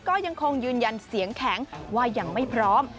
ก็ยังคงยืนยันเสียงแข็งว่ายังไม่พร้อม